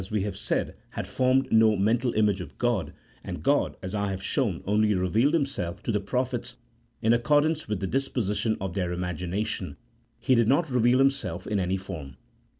we have said) had formed no mental image of God, and G od (as I have shown) only revealed Himself to the pro phets in accordance with the disposition of their imagi nation, He did not reveal Himself in any form.